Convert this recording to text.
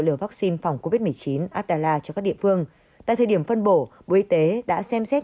liều vắc xin phòng covid một mươi chín adela cho các địa phương tại thời điểm phân bổ bộ y tế đã xem xét